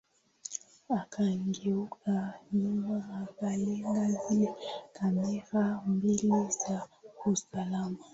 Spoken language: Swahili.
Akageuka nyuma akalenga zile kamera mbili za usalama